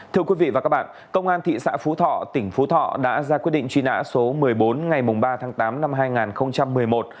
thưa quý vị và các bạn công an thị xã phú thọ tỉnh phú thọ đã ra quyết định truy nã số một mươi bốn ngày ba tháng tám năm hai nghìn một mươi một